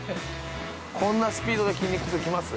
こんなスピードで筋肉痛きます？